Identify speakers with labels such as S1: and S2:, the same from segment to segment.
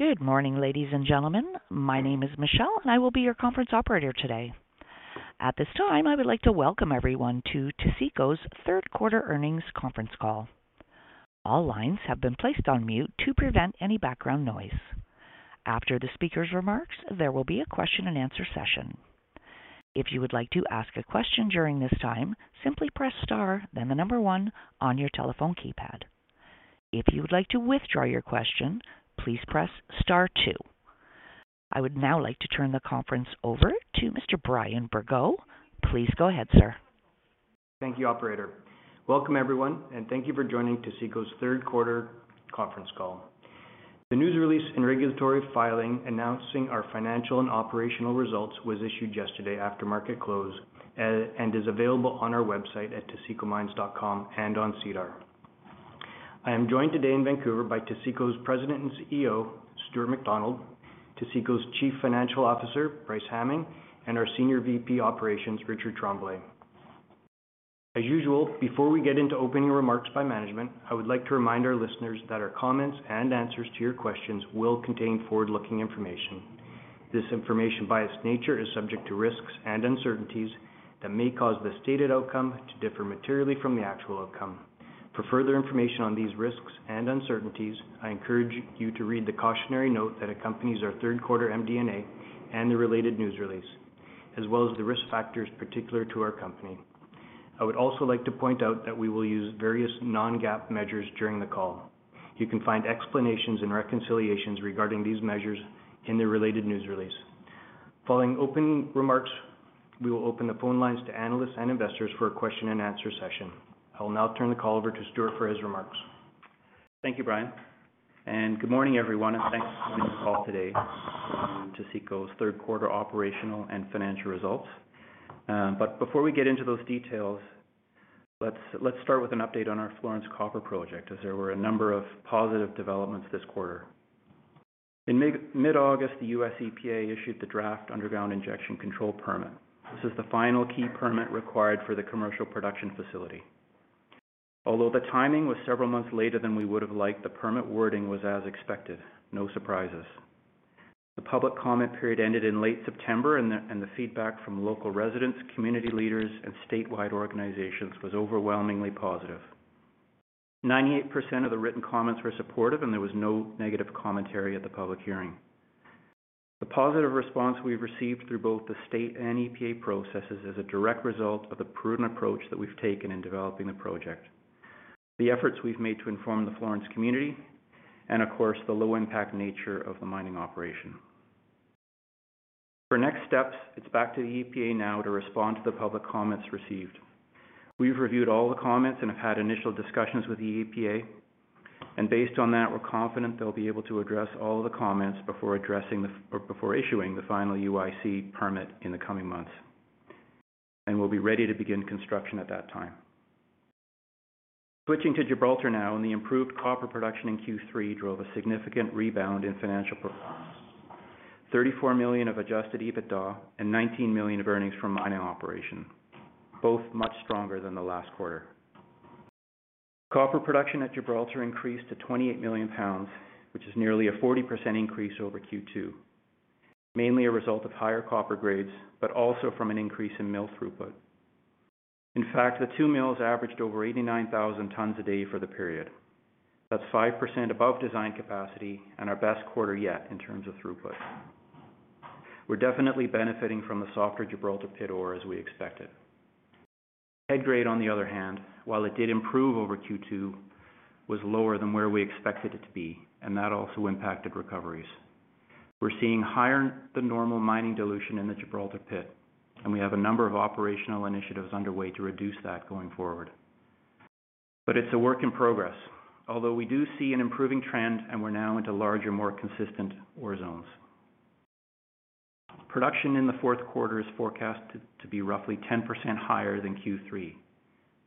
S1: Good morning, ladies and gentlemen. My name is Michelle, and I will be your conference operator today. At this time, I would like to welcome everyone to Taseko's third quarter earnings conference call. All lines have been placed on mute to prevent any background noise. After the speaker's remarks, there will be a question and answer session. If you would like to ask a question during this time, simply press star then the number one on your telephone keypad. If you would like to withdraw your question, please press star two. I would now like to turn the conference over to Mr. Brian Bergot. Please go ahead, sir.
S2: Thank you, operator. Welcome, everyone, and thank you for joining Taseko's third quarter conference call. The news release and regulatory filing announcing our financial and operational results was issued yesterday after market close and is available on our website at tasekomines.com and on SEDAR. I am joined today in Vancouver by Taseko's President and CEO, Stuart McDonald, Taseko's Chief Financial Officer, Bryce Hamming, and our Senior VP Operations, Richard Tremblay. As usual, before we get into opening remarks by management, I would like to remind our listeners that our comments and answers to your questions will contain forward-looking information. This information, by its nature, is subject to risks and uncertainties that may cause the stated outcome to differ materially from the actual outcome. For further information on these risks and uncertainties, I encourage you to read the cautionary note that accompanies our third quarter MD&A and the related news release, as well as the risk factors particular to our company. I would also like to point out that we will use various non-GAAP measures during the call. You can find explanations and reconciliations regarding these measures in the related news release. Following opening remarks, we will open the phone lines to analysts and investors for a question and answer session. I will now turn the call over to Stuart for his remarks.
S3: Thank you, Brian, and good morning, everyone, and thanks for being on the call today on Taseko's third quarter operational and financial results. Before we get into those details, let's start with an update on our Florence Copper project, as there were a number of positive developments this quarter. In mid-August, the U.S. EPA issued the draft Underground Injection Control permit. This is the final key permit required for the commercial production facility. Although the timing was several months later than we would have liked, the permit wording was as expected. No surprises. The public comment period ended in late September, and the feedback from local residents, community leaders, and statewide organizations was overwhelmingly positive. 98% of the written comments were supportive, and there was no negative commentary at the public hearing. The positive response we've received through both the state and EPA processes is a direct result of the prudent approach that we've taken in developing the project. The efforts we've made to inform the Florence community and, of course, the low impact nature of the mining operation. For next steps, it's back to the EPA now to respond to the public comments received. We've reviewed all the comments and have had initial discussions with the EPA, and based on that, we're confident they'll be able to address all of the comments before issuing the final UIC permit in the coming months. We'll be ready to begin construction at that time. Switching to Gibraltar now, and the improved copper production in Q3 drove a significant rebound in financial performance. 34 million of adjusted EBITDA and 19 million of earnings from mining operation, both much stronger than the last quarter. Copper production at Gibraltar increased to 28 million pounds, which is nearly a 40% increase over Q2. Mainly a result of higher copper grades, but also from an increase in mill throughput. In fact, the two mills averaged over 89,000 tons a day for the period. That's 5% above design capacity and our best quarter yet in terms of throughput. We're definitely benefiting from the softer Gibraltar Pit ore as we expected. Head grade, on the other hand, while it did improve over Q2, was lower than where we expected it to be, and that also impacted recoveries. We're seeing higher than normal mining dilution in the Gibraltar Pit, and we have a number of operational initiatives underway to reduce that going forward. It's a work in progress. Although we do see an improving trend, and we're now into larger, more consistent ore zones. Production in the fourth quarter is forecasted to be roughly 10% higher than Q3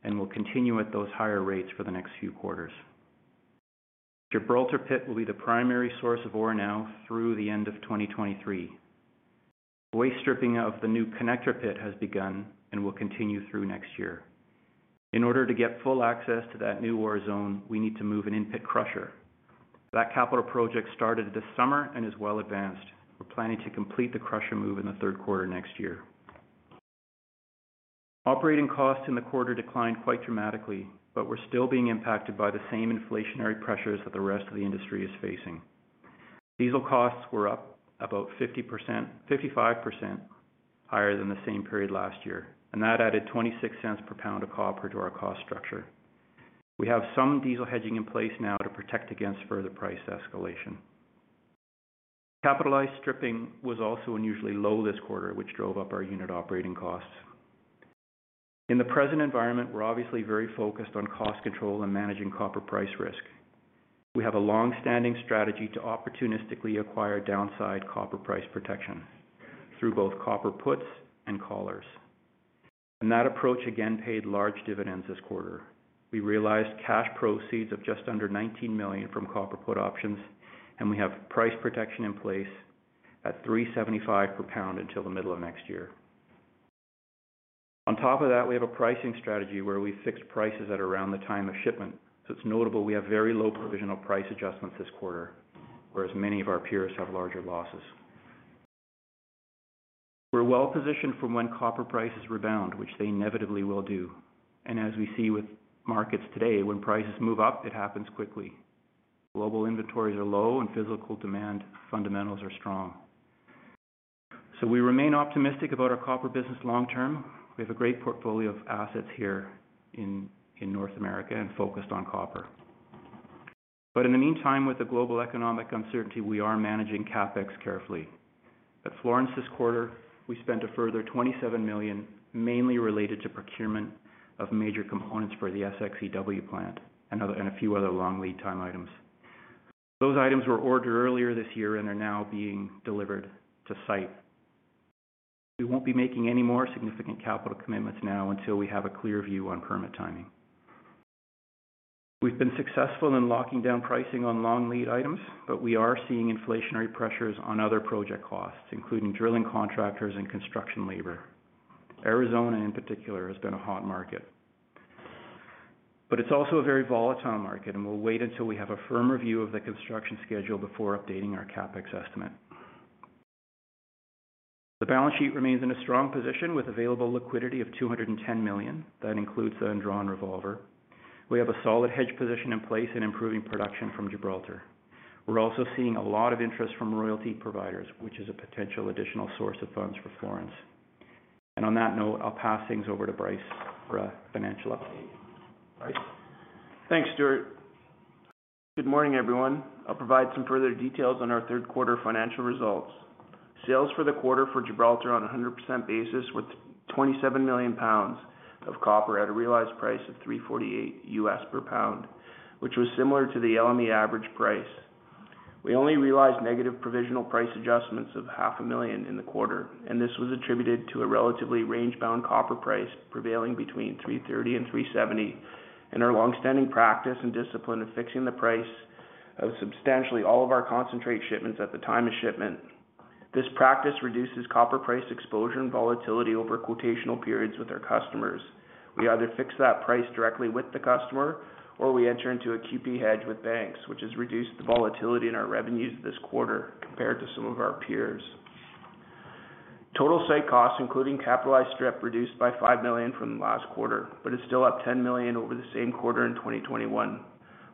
S3: and will continue at those higher rates for the next few quarters. Gibraltar Pit will be the primary source of ore now through the end of 2023. Waste stripping of the new Connector Pit has begun and will continue through next year. In order to get full access to that new ore zone, we need to move an in-pit crusher. That capital project started this summer and is well advanced. We're planning to complete the crusher move in the third quarter next year. Operating costs in the quarter declined quite dramatically, but we're still being impacted by the same inflationary pressures that the rest of the industry is facing. Diesel costs were up about 55% higher than the same period last year, and that added $0.26 per pound of copper to our cost structure. We have some diesel hedging in place now to protect against further price escalation. Capitalized stripping was also unusually low this quarter, which drove up our unit operating costs. In the present environment, we're obviously very focused on cost control and managing copper price risk. We have a long-standing strategy to opportunistically acquire downside copper price protection through both copper puts and collars. That approach again paid large dividends this quarter. We realized cash proceeds of just under $19 million from copper put options, and we have price protection in place at $3.75 per pound until the middle of next year. On top of that, we have a pricing strategy where we fix prices at around the time of shipment. It's notable we have very low provisional price adjustments this quarter, whereas many of our peers have larger losses. We're well-positioned from when copper prices rebound, which they inevitably will do. As we see with markets today, when prices move up, it happens quickly. Global inventories are low and physical demand fundamentals are strong. We remain optimistic about our copper business long term. We have a great portfolio of assets here in North America and focused on copper. In the meantime, with the global economic uncertainty, we are managing CapEx carefully. At Florence this quarter, we spent a further 27 million, mainly related to procurement of major components for the SXEW plant and a few other long lead time items. Those items were ordered earlier this year and are now being delivered to site. We won't be making any more significant capital commitments now until we have a clear view on permit timing. We've been successful in locking down pricing on long lead items, but we are seeing inflationary pressures on other project costs, including drilling contractors and construction labor. Arizona, in particular, has been a hot market. It's also a very volatile market, and we'll wait until we have a firmer view of the construction schedule before updating our CapEx estimate. The balance sheet remains in a strong position with available liquidity of 210 million. That includes the undrawn revolver. We have a solid hedge position in place in improving production from Gibraltar. We're also seeing a lot of interest from royalty providers, which is a potential additional source of funds for Florence. On that note, I'll pass things over to Bryce for financial update. Bryce?
S4: Thanks, Stuart. Good morning, everyone. I'll provide some further details on our third quarter financial results. Sales for the quarter for Gibraltar on a 100% basis with 27 million pounds of copper at a realized price of $3.48 per pound, which was similar to the LME average price. We only realized negative provisional price adjustments of $ half a million in the quarter, and this was attributed to a relatively range-bound copper price prevailing between $3.30 and $3.70, and our long-standing practice and discipline of fixing the price of substantially all of our concentrate shipments at the time of shipment. This practice reduces copper price exposure and volatility over quotational periods with our customers. We either fix that price directly with the customer or we enter into a QP hedge with banks, which has reduced the volatility in our revenues this quarter compared to some of our peers. Total site costs, including capitalized stripping, reduced by $5 million from last quarter, but is still up $10 million over the same quarter in 2021.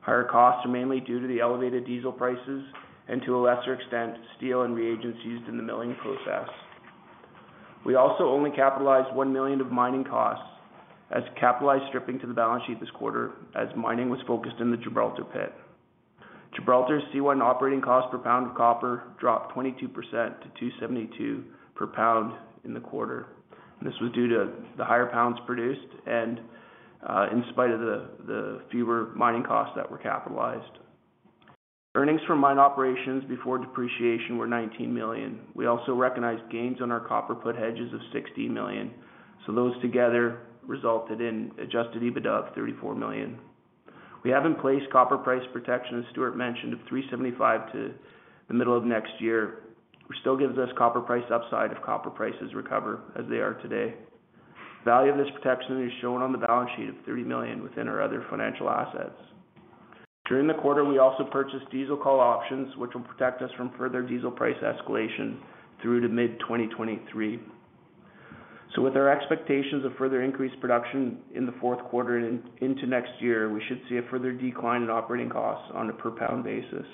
S4: Higher costs are mainly due to the elevated diesel prices and to a lesser extent, steel and reagents used in the milling process. We also only capitalized $1 million of mining costs as capitalized stripping to the balance sheet this quarter as mining was focused in the Gibraltar Pit. Gibraltar C1 operating cost per pound of copper dropped 22% to $2.72 per pound in the quarter. This was due to the higher pounds produced and in spite of the fewer mining costs that were capitalized. Earnings from mine operations before depreciation were $19 million. We also recognized gains on our copper put hedges of $60 million. Those together resulted in adjusted EBITDA of $34 million. We have in place copper price protection, as Stuart mentioned, of $3.75 to the middle of next year, which still gives us copper price upside if copper prices recover as they are today. Value of this protection is shown on the balance sheet of $30 million within our other financial assets. During the quarter, we also purchased diesel call options, which will protect us from further diesel price escalation through to mid-2023. With our expectations of further increased production in the fourth quarter and into next year, we should see a further decline in operating costs on a per pound basis.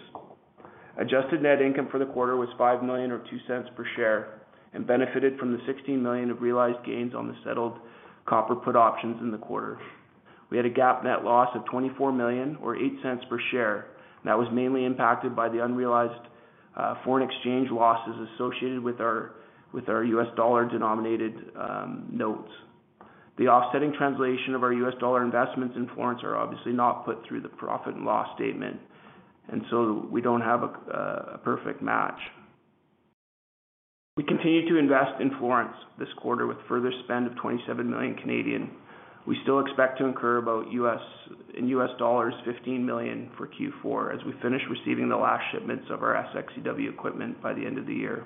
S4: Adjusted net income for the quarter was 5 million or 0.02 per share and benefited from the 16 million of realized gains on the settled copper put options in the quarter. We had a GAAP net loss of 24 million or 0.08 per share. That was mainly impacted by the unrealized foreign exchange losses associated with our with our US dollar denominated notes. The offsetting translation of our US dollar investments in Florence are obviously not put through the profit and loss statement, and so we don't have a perfect match. We continued to invest in Florence this quarter with further spend of 27 million. We still expect to incur about $15 million in US dollars for Q4 as we finish receiving the last shipments of our SXEW equipment by the end of the year.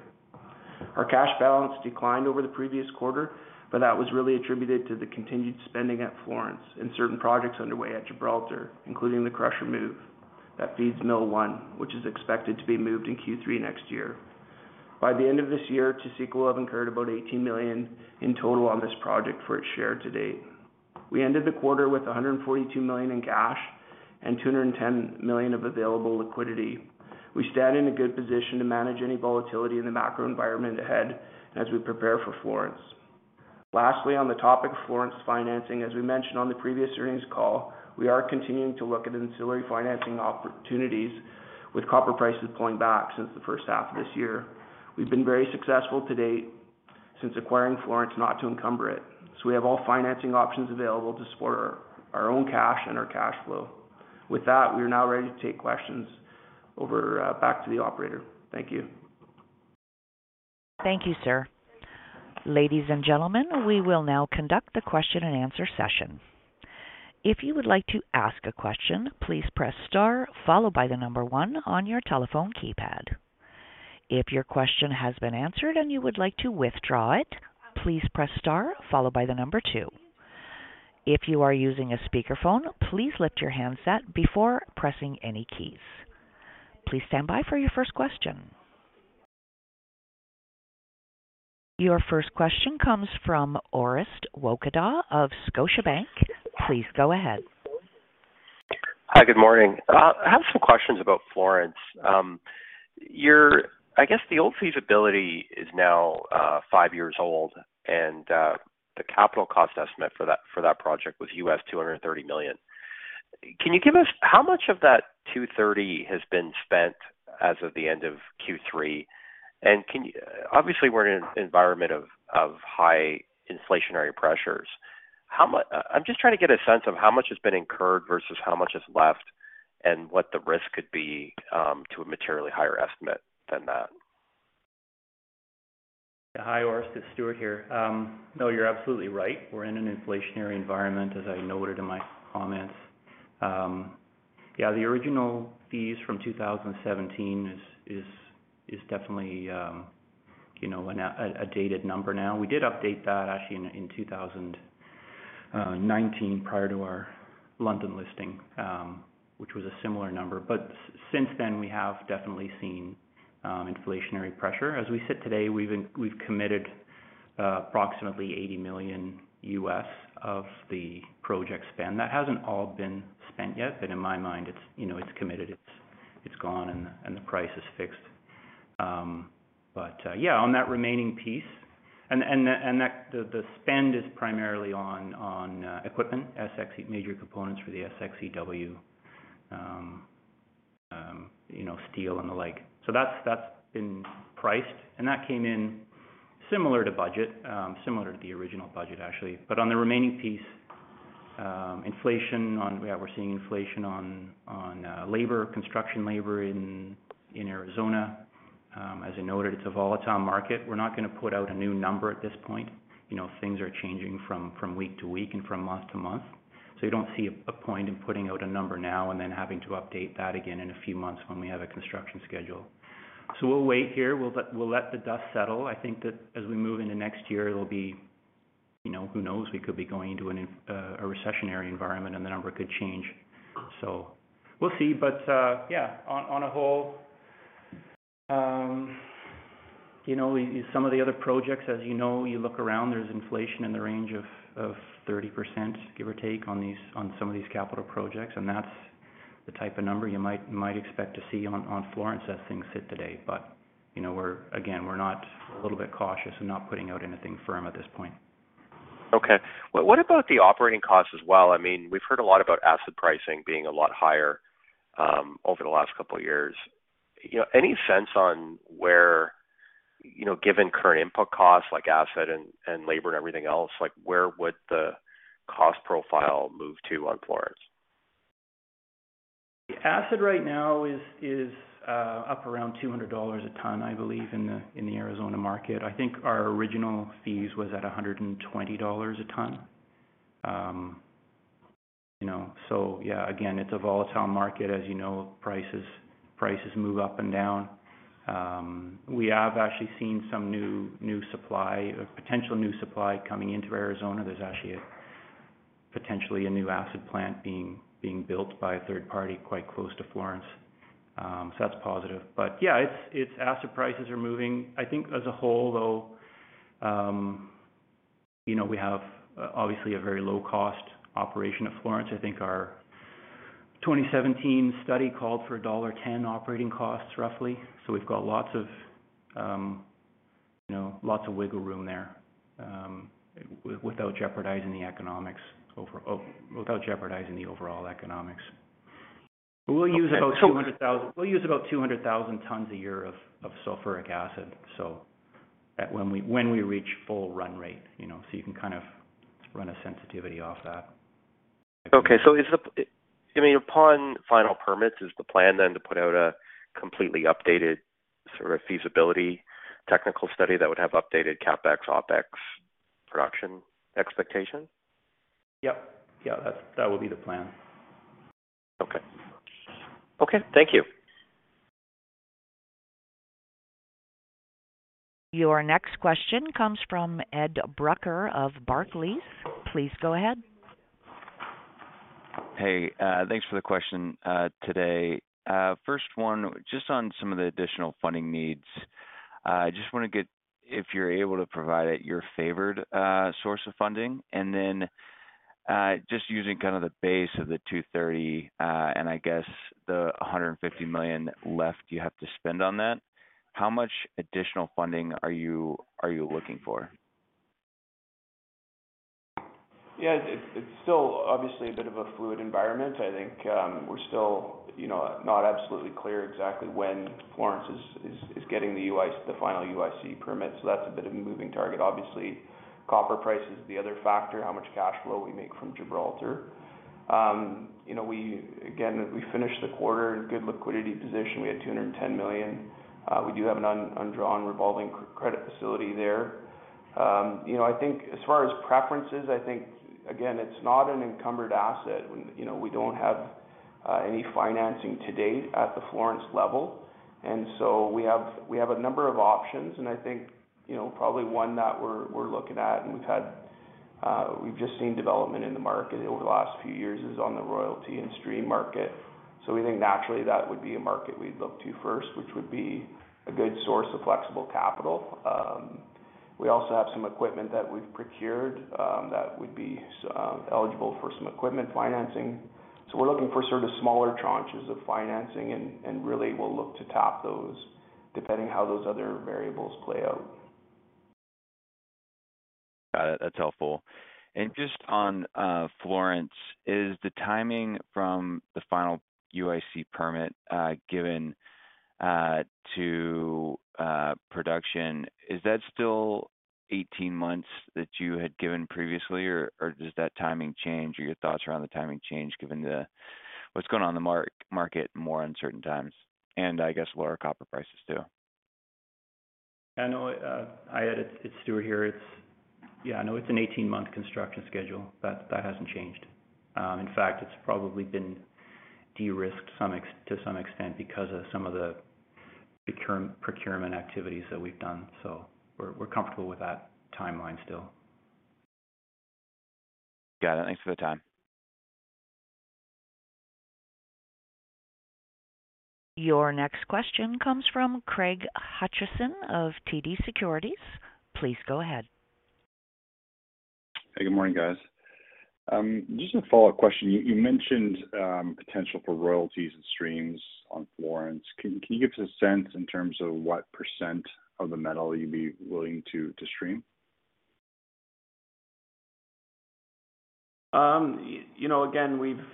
S4: Our cash balance declined over the previous quarter, but that was really attributed to the continued spending at Florence and certain projects underway at Gibraltar, including the crusher move that feeds Mill One, which is expected to be moved in Q3 next year. By the end of this year, Taseko will have incurred about 18 million in total on this project for its share to date. We ended the quarter with 142 million in cash and 210 million of available liquidity. We stand in a good position to manage any volatility in the macro environment ahead as we prepare for Florence. Lastly, on the topic of Florence financing, as we mentioned on the previous earnings call, we are continuing to look at ancillary financing opportunities with copper prices pulling back since the first half of this year. We've been very successful to date since acquiring Florence not to encumber it. We have all financing options available to support our own cash and our cash flow. With that, we are now ready to take questions. Over, back to the operator. Thank you.
S1: Thank you, sir. Ladies and gentlemen, we will now conduct the question and answer session. If you would like to ask a question, please press star followed by the number one on your telephone keypad. If your question has been answered and you would like to withdraw it, please press star followed by the number two. If you are using a speakerphone, please lift your handset before pressing any keys. Please stand by for your first question. Your first question comes from Orest Wowkodaw of Scotiabank. Please go ahead.
S5: Hi. Good morning. I have some questions about Florence. I guess the old feasibility is now five years old, and the capital cost estimate for that project was $230 million. Can you give us how much of that $230 million has been spent as of the end of Q3? Obviously, we're in an environment of high inflationary pressures. I'm just trying to get a sense of how much has been incurred versus how much is left and what the risk could be to a materially higher estimate than that.
S3: Hi, Orest. It's Stuart here. No, you're absolutely right. We're in an inflationary environment, as I noted in my comments. The original fees from 2017 is definitely a dated number now. We did update that actually in 2019 prior to our London listing, which was a similar number. Since then, we have definitely seen inflationary pressure. As we sit today, we've committed approximately $80 million of the project spend. That hasn't all been spent yet, but in my mind, it's committed, it's gone and the price is fixed. Yeah, on that remaining piece. That spend is primarily on equipment, SX. Major components for the SXEW, you know, steel and the like. That's been priced, and that came in similar to budget, similar to the original budget, actually. On the remaining piece, yeah, we're seeing inflation on labor, construction labor in Arizona. As you noted, it's a volatile market. We're not gonna put out a new number at this point. You know, things are changing from week to week and from month to month. We don't see a point in putting out a number now and then having to update that again in a few months when we have a construction schedule. We'll wait here. We'll let the dust settle. I think that as we move into next year, it'll be, you know, who knows, we could be going into a recessionary environment and the number could change. We'll see. Yeah, on the whole, you know, some of the other projects, as you know, you look around, there's inflation in the range of 30%, give or take, on these, on some of these capital projects, and that's the type of number you might expect to see on Florence as things sit today. You know, we're again not a little bit cautious in not putting out anything firm at this point.
S5: Okay. Well, what about the operating costs as well? I mean, we've heard a lot about acid pricing being a lot higher over the last couple of years. You know, any sense on where, you know, given current input costs like acid and labor and everything else, like, where would the cost profile move to on Florence?
S3: Acid right now is up around $200 a ton, I believe, in the Arizona market. I think our original fee was at $120 a ton. You know, yeah, again, it's a volatile market. As you know, prices move up and down. We have actually seen some new supply or potential new supply coming into Arizona. There's actually potentially a new acid plant being built by a third party quite close to Florence. That's positive. Yeah, acid prices are moving. I think as a whole, though, you know, we have obviously a very low cost operation at Florence. I think our 2017 study called for $1.10 operating costs, roughly. We've got lots of, you know, lots of wiggle room there, without jeopardizing the overall economics. We'll use about 200,000 tons a year of sulfuric acid. When we reach full run rate, you know. You can kind of run a sensitivity off that.
S5: I mean, upon final permits, is the plan then to put out a completely updated sort of feasibility technical study that would have updated CapEx, OpEx production expectation?
S3: Yep. Yeah. That will be the plan.
S5: Okay. Thank you.
S1: Your next question comes from Ed Brucker of Barclays. Please go ahead.
S6: Hey, thanks for the question today. First one, just on some of the additional funding needs. I just wanna get, if you're able to provide it, your favored source of funding. Then, just using kind of the base of the 230, and I guess the 150 million left you have to spend on that, how much additional funding are you looking for?
S3: Yeah, it's still obviously a bit of a fluid environment. I think, we're still, you know, not absolutely clear exactly when Florence is getting the final UIC permit. That's a bit of a moving target, obviously. Copper price is the other factor, how much cash flow we make from Gibraltar. You know, again, we finished the quarter in good liquidity position. We had 210 million. We do have an undrawn revolving credit facility there. You know, I think as far as preferences, I think again, it's not an encumbered asset. You know, we don't have any financing to date at the Florence level. We have a number of options and I think, you know, probably one that we're looking at, and we've just seen development in the market over the last few years is on the royalty and stream market. We think naturally that would be a market we'd look to first, which would be a good source of flexible capital. We also have some equipment that we've procured that would be eligible for some equipment financing. We're looking for sort of smaller tranches of financing and really we'll look to top those depending how those other variables play out.
S6: Got it. That's helpful. Just on Florence, is the timing from the final UIC permit given to production, is that still 18 months that you had given previously? Or does that timing change? Or your thoughts around the timing change given what's going on in the market more uncertain times, and I guess lower copper prices too?
S3: I know, I had it. It's Stuart here. Yeah, I know it's an 18-month construction schedule. That hasn't changed. In fact, it's probably been de-risked somewhat to some extent because of some of the procurement activities that we've done. We're comfortable with that timeline still.
S6: Got it. Thanks for the time.
S1: Your next question comes from Craig Hutchison of TD Securities. Please go ahead.
S7: Hey, good morning, guys. Just a follow-up question. You mentioned potential for royalties and streams on Florence. Can you give us a sense in terms of what percent of the metal you'd be willing to stream?
S3: You know, again, we've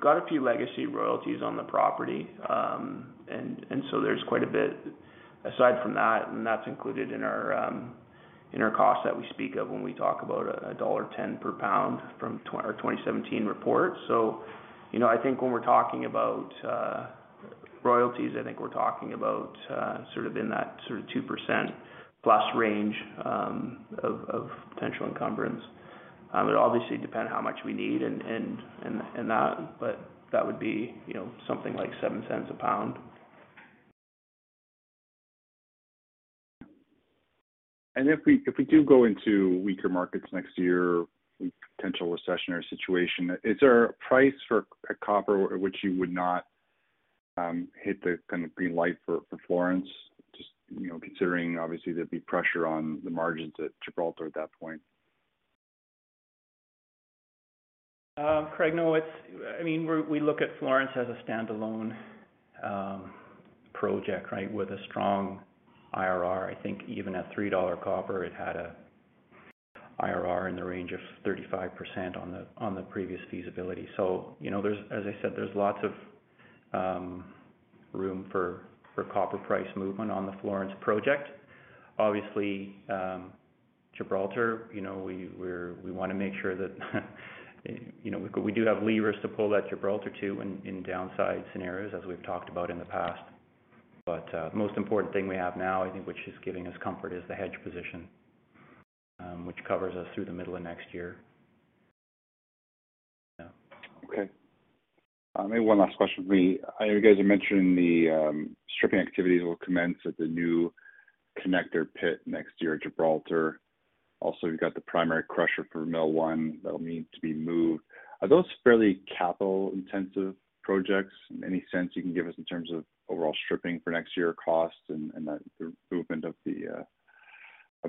S3: got a few legacy royalties on the property. There's quite a bit aside from that, and that's included in our cost that we speak of when we talk about $1.10 per pound from our 2017 report. You know, I think when we're talking about royalties, I think we're talking about sort of in that sort of 2%+ range of potential encumbrance. It obviously depends how much we need and that, but that would be, you know, something like $0.07 per pound.
S7: If we do go into weaker markets next year with potential recessionary situation, is there a price for copper which you would not hit the kind of green light for Florence? Just you know, considering obviously there'd be pressure on the margins at Gibraltar at that point.
S3: Craig, no, it's. I mean, we look at Florence as a standalone project, right? With a strong IRR. I think even at $3 copper, it had an IRR in the range of 35% on the previous feasibility. You know, there's, as I said, there's lots of room for copper price movement on the Florence project. Obviously, Gibraltar, you know, we wanna make sure that you know we do have levers to pull at Gibraltar too, in downside scenarios as we've talked about in the past. The most important thing we have now, I think, which is giving us comfort, is the hedge position, which covers us through the middle of next year.
S7: Okay. Maybe one last question for me. I know you guys are mentioning the stripping activities will commence at the new Connector Pit next year at Gibraltar. Also, you've got the primary crusher for Mill One that'll need to be moved. Are those fairly capital-intensive projects? Any sense you can give us in terms of overall stripping for next year costs and the movement of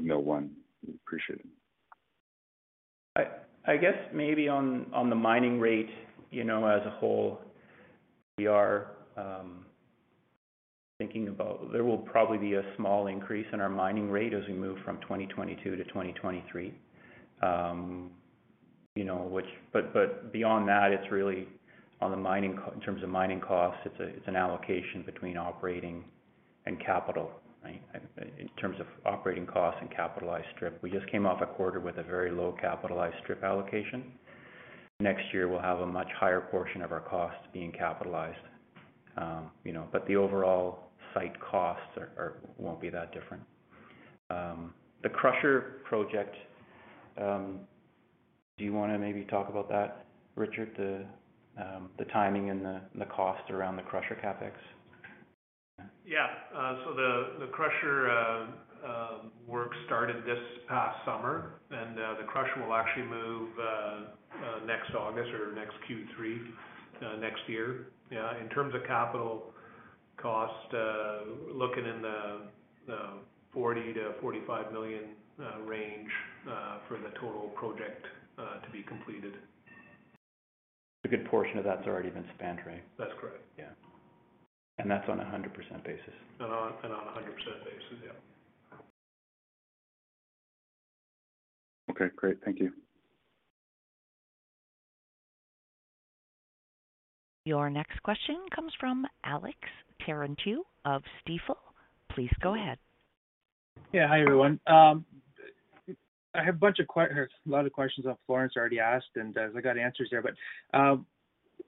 S7: Mill One? I appreciate it.
S3: I guess maybe on the mining rate, you know, as a whole, we are thinking about there will probably be a small increase in our mining rate as we move from 2022 to 2023. Beyond that, it's really in terms of mining costs, it's an allocation between operating and capital, right? In terms of operating costs and capitalized strip. We just came off a quarter with a very low capitalized strip allocation. Next year, we'll have a much higher portion of our costs being capitalized, you know. The overall site costs won't be that different. The crusher project, do you wanna maybe talk about that, Richard? The timing and the cost around the crusher CapEx?
S8: Yeah, the crusher work started this past summer, and the crusher will actually move next August or next Q3 next year. In terms of capital cost, looking in the 40 million-45 million range for the total project to be completed.
S3: A good portion of that's already been spent, right?
S8: That's correct.
S3: Yeah. That's on a 100% basis.
S8: On a 100% basis, yeah.
S7: Okay, great. Thank you.
S1: Your next question comes from Alex Terentiew of Stifel. Please go ahead.
S9: Yeah. Hi, everyone. I have a lot of questions on Florence already asked, and as I got answers there.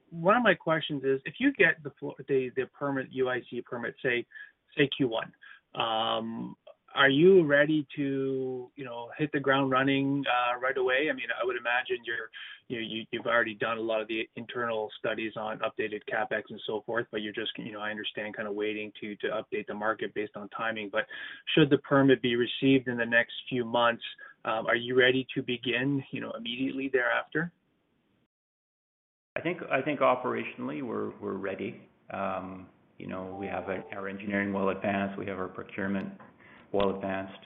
S9: One of my questions is, if you get the permit, UIC permit, say Q1, are you ready to, you know, hit the ground running, right away? I mean, I would imagine you've already done a lot of the internal studies on updated CapEx and so forth, but you're just, you know, I understand, kind of waiting to update the market based on timing. Should the permit be received in the next few months, are you ready to begin, you know, immediately thereafter?
S3: I think operationally, we're ready. You know, we have our engineering well advanced. We have our procurement well advanced.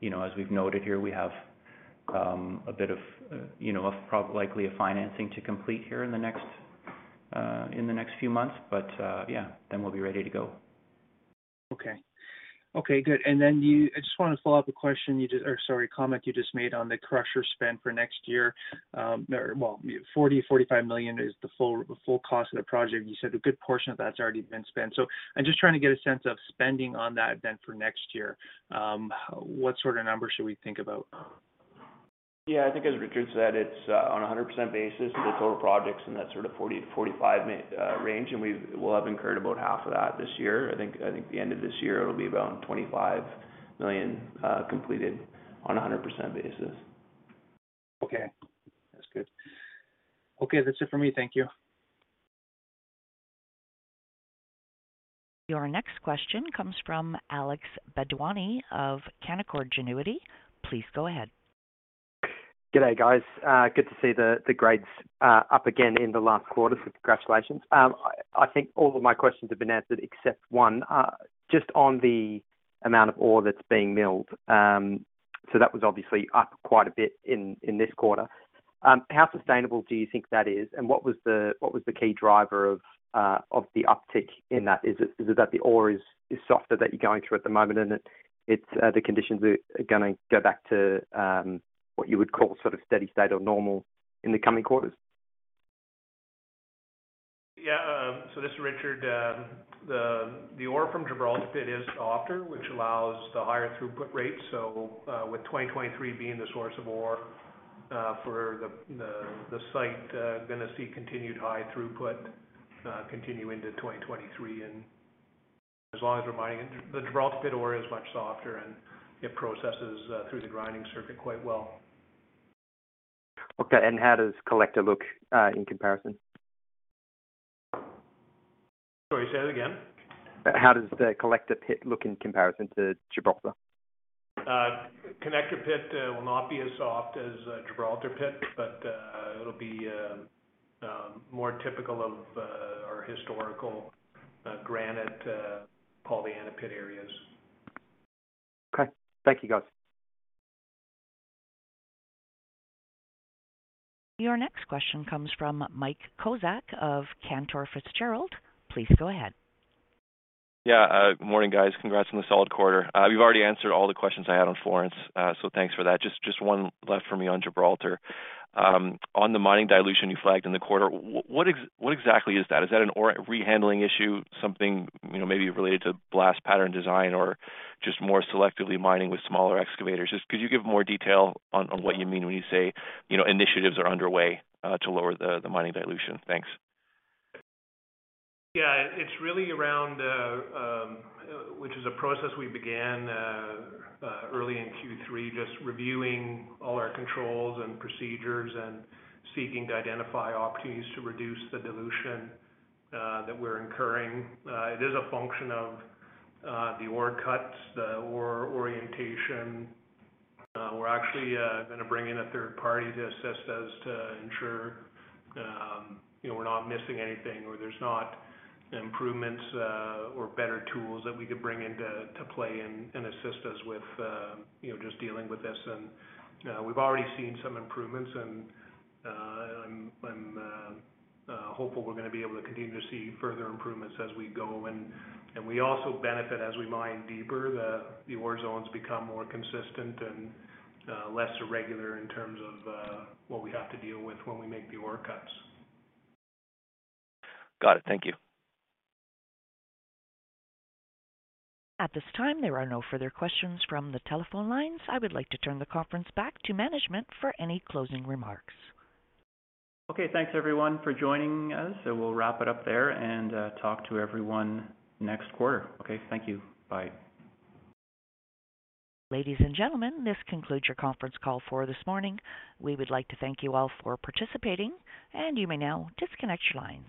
S3: You know, as we've noted here, we have a bit of, you know, likely a financing to complete here in the next few months. Yeah, then we'll be ready to go.
S9: Okay. Okay, good. I just want to follow up a comment you just made on the crusher spend for next year. 45 million is the full cost of the project. You said a good portion of that's already been spent. I'm just trying to get a sense of spending on that then for next year. What sort of numbers should we think about?
S4: Yeah, I think as Richard said, it's on a 100% basis of the total projects in that sort of 40-45 range, and we will have incurred about half of that this year. I think the end of this year, it'll be about 25 million completed on a 100% basis.
S9: Okay, that's good. Okay, that's it for me. Thank you.
S1: Your next question comes from Alex Bedwany of Canaccord Genuity. Please go ahead.
S10: G'day, guys. Good to see the grades up again in the last quarter, so congratulations. I think all of my questions have been answered except one. Just on the amount of ore that's being milled. So that was obviously up quite a bit in this quarter. How sustainable do you think that is, and what was the key driver of the uptick in that? Is it that the ore is softer that you're going through at the moment and it's the conditions are gonna go back to what you would call sort of steady state or normal in the coming quarters?
S8: Yeah, this is Richard. The ore from Gibraltar Pit is softer, which allows the higher throughput rate. With 2023 being the source of ore for the site, gonna see continued high throughput continue into 2023. As long as we're mining, the Gibraltar Pit ore is much softer and it processes through the grinding circuit quite well.
S10: Okay. How does Connector look, in comparison?
S8: Sorry, say that again.
S10: How does the Connector Pit look in comparison to Gibraltar?
S8: Connector Pit will not be as soft as Gibraltar Pit, but it'll be more typical of our historical granite Pollyanna Pit areas.
S10: Okay. Thank you, guys.
S1: Your next question comes from Mike Kozak of Cantor Fitzgerald. Please go ahead.
S11: Yeah. Morning, guys. Congrats on the solid quarter. You've already answered all the questions I had on Florence, so thanks for that. Just one left for me on Gibraltar. On the mining dilution you flagged in the quarter, what exactly is that? Is that an ore rehandling issue, something, you know, maybe related to blast pattern design or just more selectively mining with smaller excavators? Just could you give more detail on what you mean when you say, you know, initiatives are underway to lower the mining dilution? Thanks.
S8: Yeah. It's really around which is a process we began early in Q3, just reviewing all our controls and procedures and seeking to identify opportunities to reduce the dilution that we're incurring. It's a function of the ore cuts, the ore orientation. We're actually gonna bring in a third party to assist us to ensure you know, we're not missing anything or there's not improvements or better tools that we could bring into play and assist us with you know, just dealing with this. We've already seen some improvements and I'm hopeful we're gonna be able to continue to see further improvements as we go. We also benefit as we mine deeper. The ore zones become more consistent and less irregular in terms of what we have to deal with when we make the ore cuts.
S11: Got it. Thank you.
S1: At this time, there are no further questions from the telephone lines. I would like to turn the conference back to management for any closing remarks.
S3: Okay, thanks everyone for joining us. We'll wrap it up there and talk to everyone next quarter. Okay, thank you. Bye.
S1: Ladies and gentlemen, this concludes your conference call for this morning. We would like to thank you all for participating, and you may now disconnect your lines.